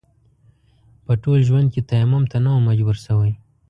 په ټول ژوند کې تيمم ته نه وم مجبور شوی.